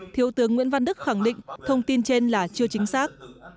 thiếu tướng nguyễn văn đức khẳng định thông tin trên là chưa chính xác